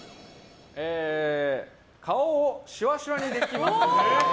顔をシワシワにできます。